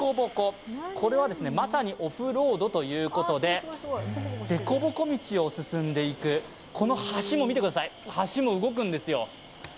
これはまさにオフロードということで、でこぼこ道を進んでいく、この橋も動くんですよ。